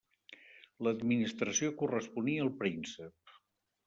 L'administració corresponia al príncep.